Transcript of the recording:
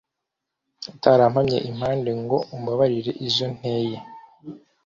utarampamye impande ngo umbarire izo nteye